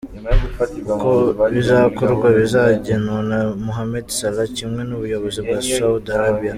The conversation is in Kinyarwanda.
Uko bizakorwa bizagenwa na Mohamed Salah kimwe n’ubuyobozi bwa Saudi Arabia.